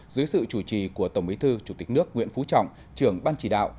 dưới sự chủ trì của tổng bí thư chủ tịch nước nguyễn phú trọng trưởng ban chỉ đạo